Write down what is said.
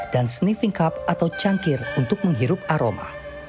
dan sniffing cup atau cangkir untuk menghirup aroma